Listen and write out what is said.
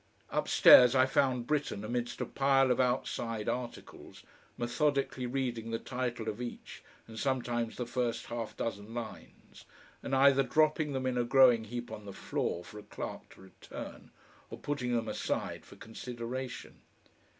Upstairs I found Britten amidst a pile of outside articles, methodically reading the title of each and sometimes the first half dozen lines, and either dropping them in a growing heap on the floor for a clerk to return, or putting them aside for consideration.